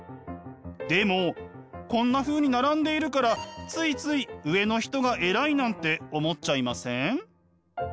でもこんなふうに並んでいるからついつい上の人が偉いなんて思っちゃいません？